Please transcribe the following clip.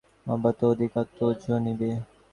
একদিন এই ধনসম্পদে তাহারই অবাধ অধিকার তো জন্মিবে।